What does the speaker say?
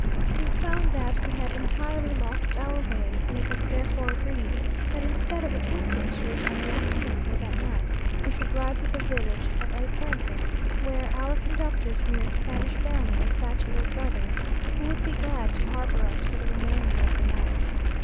We found that we had entirely lost our way, and it was therefore agreed, that instead of attempting to reach Atlacamulco that night, we should ride to the village of el Puente, where our conductors knew a Spanish family of bachelor brothers, who would be glad to harbour us for the remainder of the night.